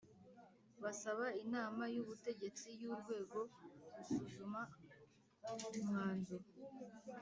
Basaba Inama y Ubutegetsi y Urwego gusuzuma umwanzuro